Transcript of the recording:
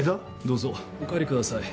どうぞお帰りください。